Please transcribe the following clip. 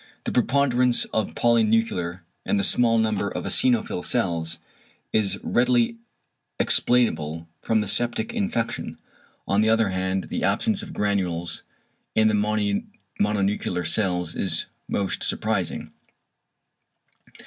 The preponderance of polynuclear and the small number of eosinophil cells is readily explainable from the septic infection; on the other hand the absence of granules in the mononuclear cells is most surprising.